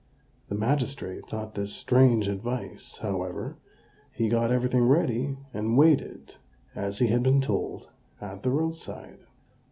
The magistrate thought this strange advice; however, he got everything ready, and waited, as he had been told, at the roadside.